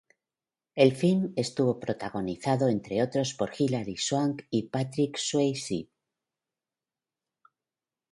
El film estuvo protagonizado, entre otros, por Hilary Swank y Patrick Swayze.